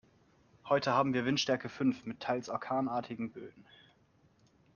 Heute haben wir Windstärke fünf mit teils orkanartigen Böen.